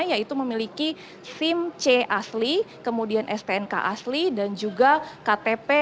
yaitu memiliki sim c asli kemudian stnk asli dan juga ktp